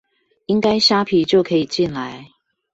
應該蝦皮就可以進來